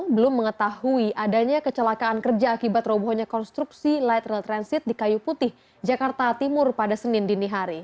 belum mengetahui adanya kecelakaan kerja akibat robohnya konstruksi light rail transit di kayu putih jakarta timur pada senin dini hari